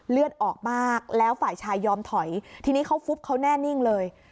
เลือดออกมากแล้วฝ่ายชายยอมถอยทีนี้เขาฟุบเขาแน่นิ่งเลย